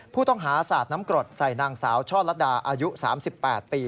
ข้อหาสาดน้ำกรดใส่นางสาวช่อลัดดาอายุ๓๘ปี